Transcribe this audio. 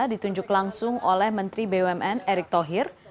ditunjuk langsung oleh menteri bumn erick thohir